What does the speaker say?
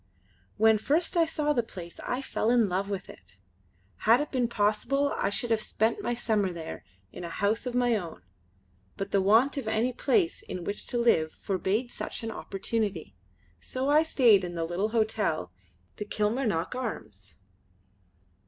When first I saw the place I fell in love with it. Had it been possible I should have spent my summer there, in a house of my own, but the want of any place in which to live forbade such an opportunity. So I stayed in the little hotel, the Kilmarnock Arms.